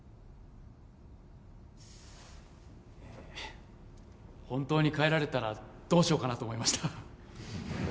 えっ本当に帰られたらどうしようかなと思いました